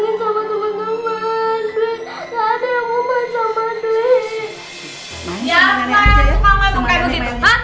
mama tuh kayak begitu